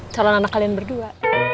calon anak kalian berdua